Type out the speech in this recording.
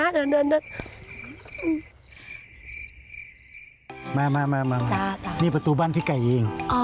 มานี่ประตูบ้านพี่ไก่เอง